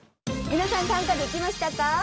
皆さん短歌できましたか？